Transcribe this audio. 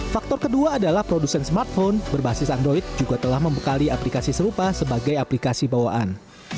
faktor kedua adalah produsen smartphone berbasis android juga telah membekali aplikasi serupa sebagai aplikasi bawaan